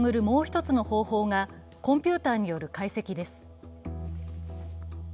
もう１つの方法が、コンピュータによる解析です。